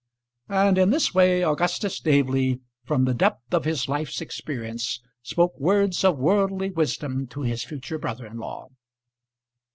And in this way Augustus Staveley from the depth of his life's experience spoke words of worldly wisdom to his future brother in law.